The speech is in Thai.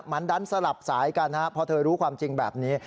มันดันสลับสายกันพอเธอรู้ความจริงแบบนี้